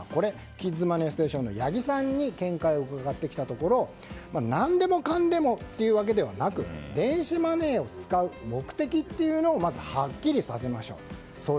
キッズマネーステーションの八木さんに見解を伺ったところ何でもかんでもというわけでなく電子マネーを使う目的というのをまずはっきりさせましょうと。